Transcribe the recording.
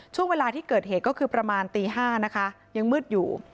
ช่วงเวลาที่เกิดเหตุก็คือประมาณตี๕นะคะยังมืดอยู่